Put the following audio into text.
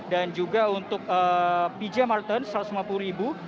dan juga untuk pj martin satu ratus lima puluh ribu